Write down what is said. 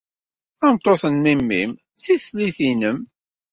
Tameṭṭut n memmi-m d tislit-nnem.